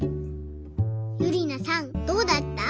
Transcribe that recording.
ゆりなさんどうだった？